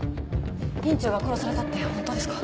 院長が殺されたって本当ですか？